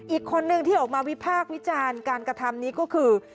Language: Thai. อีกคนนึงที่ออกมาวิพากษ์วิจารณ์การกระทำนี้ก็คือ